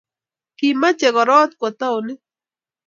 kimeche kuroot kowo townit